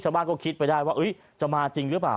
ก็คิดไปได้ว่าจะมาจริงหรือเปล่า